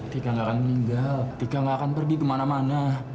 tiga nggak akan meninggal tiga nggak akan pergi kemana mana